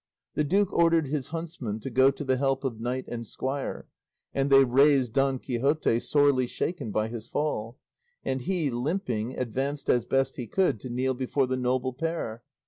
The duke ordered his huntsmen to go to the help of knight and squire, and they raised Don Quixote, sorely shaken by his fall; and he, limping, advanced as best he could to kneel before the noble pair.